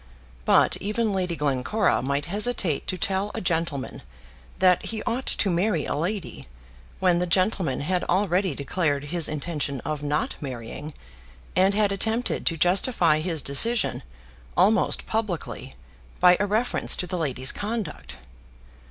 But even Lady Glencora might hesitate to tell a gentleman that he ought to marry a lady, when the gentleman had already declared his intention of not marrying, and had attempted to justify his decision almost publicly by a reference to the lady's conduct.